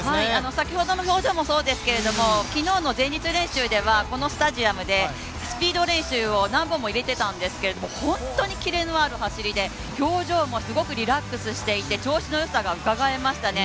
先ほどの表情もそうですけど昨日の練習ではこのスタジアムでスピード練習を何本も入れてたんですけど本当にキレのある走りで表情もすごくリラックスしていて調子の良さがうかがえましたね。